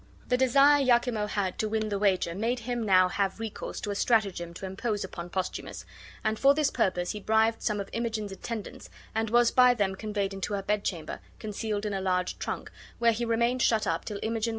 The desire Iachimo had to win the wager made him now have recourse to a stratagem to impose upon Posthumus, and for this purpose he bribed some of Imogen's attendants and was by them conveyed into her bedchamber, concealed in a large trunk, where he remained shut up till Imogen.